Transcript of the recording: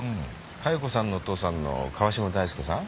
加代子さんのお父さんの川嶋大介さん。